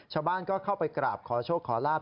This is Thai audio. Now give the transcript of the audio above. ชาวบ้านก็เข้าไปกราบขอโชคขอลาบ